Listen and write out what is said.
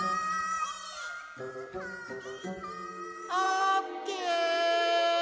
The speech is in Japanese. ・オッケー！